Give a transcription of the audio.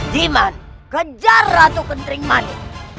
ziman kejar ratu kentering mani